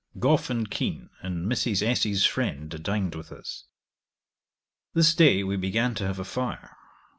Gough and Keene, and Mrs. S 's friend dined with us. This day we began to have a fire.